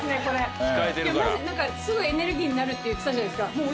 すぐエネルギーになるって言ってたじゃないですか。